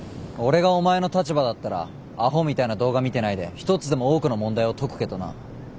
俺がお前の立場だったらアホみたいな動画見てないで１つでも多くの問題を解くけどな。